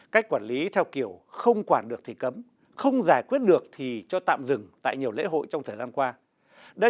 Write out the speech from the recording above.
cách quản lý theo kiểu không quản được thì cấm không giải quyết được thì cho tạm dừng tại nhiều lễ hội trong thời gian qua